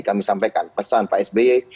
kami sampaikan pesan pak sby